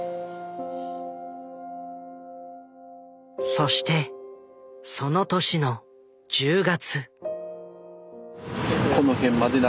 そしてその年の１０月。